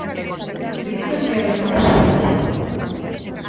¿De que cantidade estamos a falar?